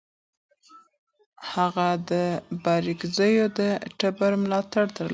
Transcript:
هغه د بارکزیو د ټبر ملاتړ ترلاسه کړ.